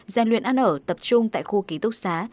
gian luyện ăn ở tập trung tại khu ký túc xá